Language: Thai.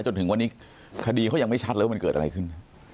จนถึงวันนี้คดีเขายังไม่ชัดเลยว่ามันเกิดอะไรขึ้น